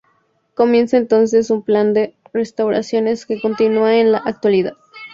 Comienza entonces un plan de restauraciones que continúa en la actualidad.